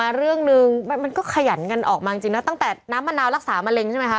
แล้วก็ขยันกันออกมาจริงน้อยตั้งแต่น้ำมะนาวรักษามะเล็งใช่ไหมคะ